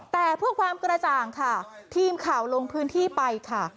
แต่เพื่อความกระจ่างค่ะทีมข่าวลงพื้นที่ไปค่ะ